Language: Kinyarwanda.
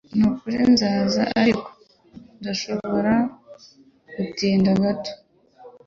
Nukuri nzaza, ariko ndashobora gutinda gato